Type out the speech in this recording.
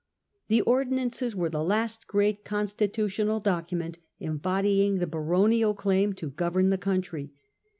The Ordinances were the last great constitu tional document embodying the baronial claim to govern the country.